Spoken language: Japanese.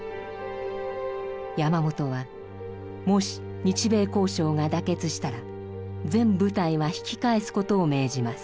山本はもし日米交渉が妥結したら全部隊は引き返す事を命じます。